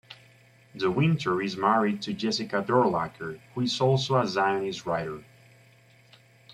De Winter is married to Jessica Durlacher, who is also a zionist writer.